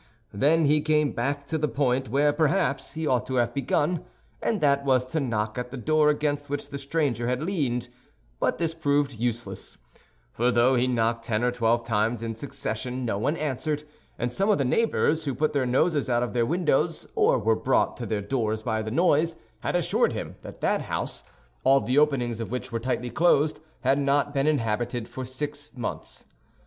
Then he came back to the point where, perhaps, he ought to have begun, and that was to knock at the door against which the stranger had leaned; but this proved useless—for though he knocked ten or twelve times in succession, no one answered, and some of the neighbors, who put their noses out of their windows or were brought to their doors by the noise, had assured him that that house, all the openings of which were tightly closed, had not been inhabited for six months.